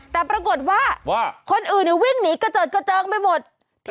แต่ปรากฏว่าคนอื่นวิ่งหนีกระเจิดกระเจิงไปหมด